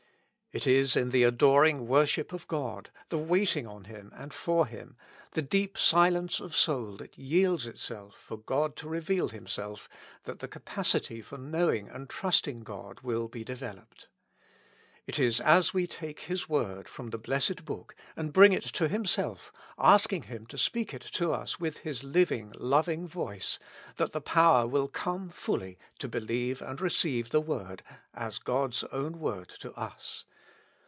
It is in the adoring worship of God, the waiting on Him and for Him, the deep silence of soul that yields itself for God to reveal Himself, that the capacity for knowing and trusting God will be developed. It is as we take His word from the Blessed Book, and bring it to Himself, asking Him to speak it to us with His living loving voice, that the power will come fully to believe and receive the word as God's own word to us.